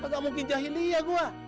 gak mungkin jahiliah gua